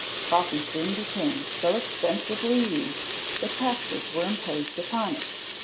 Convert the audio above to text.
Coffee soon became so extensively used that taxes were imposed upon it.